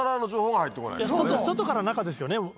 外から中ですよね